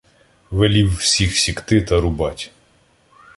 Велів всіх сікти та рубать.